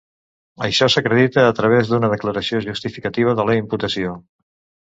Això s'acredita a través d'una declaració justificativa de la imputació.